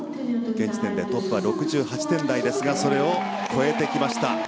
現時点でトップは６８点台ですがそれを超えてきました。